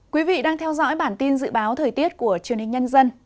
quý vị đang theo dõi bản tin dự báo thời tiết của truyền hình nhân dân